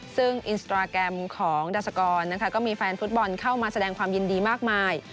ซึ่งอินสตราแกรมของดาสกรก็มีแฟนฟุตบอลเข้ามาแสดงความยินดีมากมาย